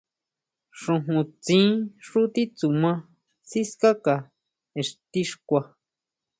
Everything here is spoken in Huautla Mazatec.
Xojóntsín xú titsuma sikáka ixti xkua.